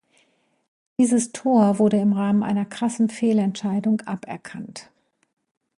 Dieses Tor wurde im Rahmen einer krassen Fehlentscheidung aberkannt.